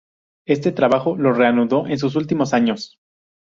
Este trabajo lo reanudó en sus últimos años.